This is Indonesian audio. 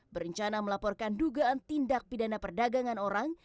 berencana melaporkan dugaan tindak pidana perdagangan orang